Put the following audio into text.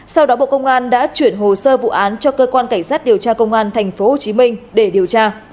sau đó bộ công an đã chuyển hồ sơ vụ án cho cơ quan cảnh sát điều tra công an tp hcm để điều tra